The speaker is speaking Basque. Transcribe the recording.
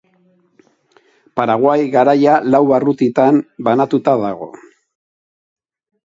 Paraguai Garaia lau barrutitan banatuta dago.